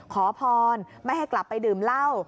ขอพรไม่ให้กลับไปดื่มเหล้า